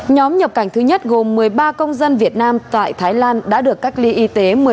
nhóm nhập cảnh thứ nhất gồm một mươi ba công dân việt nam tại thái lan đã được cách ly y tế